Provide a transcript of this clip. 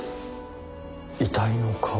遺体の顔？